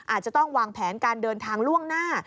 อาจจะต้องวางแผนการเดินทางล่วงหน้า